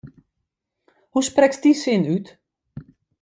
Hoe sprekst dy sin út?